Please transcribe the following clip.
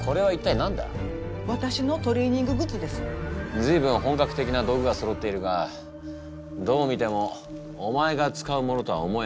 随分本格的な道具がそろっているがどう見てもお前が使うものとは思えない。